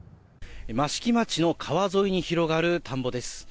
益城町の川沿いに広がる田んぼです。